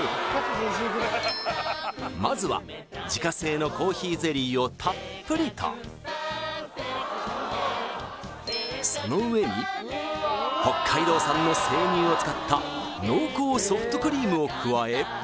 まずは自家製のコーヒーゼリーをたっぷりとその上に北海道産の生乳を使った濃厚ソフトクリームを加え